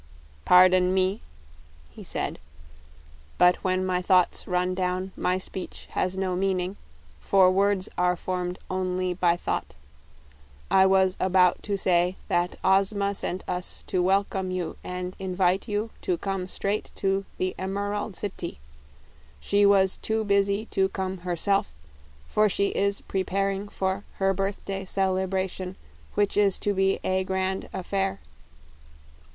"Par don me," he said, "but when my thoughts run down, my speech has no mean ing, for words are formed on ly by thought. I was a bout to say that Oz ma sent us to wel come you and in vite you to come straight to the Em er ald Ci ty. She was too bus y to come her self, for she is pre par ing for her birth day cel e bra tion, which is to be a grand af fair."